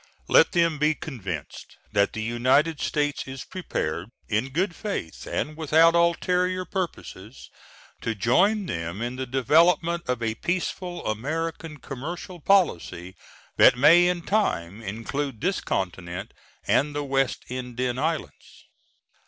Let them be convinced that the United States is prepared, in good faith and without ulterior purposes, to join them in the development of a peaceful American commercial policy that may in time include this continent and the West Indian Islands.